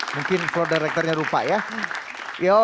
mungkin floor directornya lupa ya